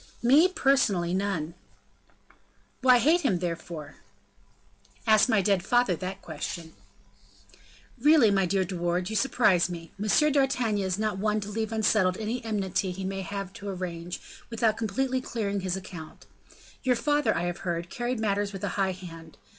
"Me! personally, none." "Why hate him, therefore?" "Ask my dead father that question." "Really, my dear De Wardes, you surprise me. M. d'Artagnan is not one to leave unsettled any enmity he may have to arrange, without completely clearing his account. Your father, I have heard, carried matters with a high hand.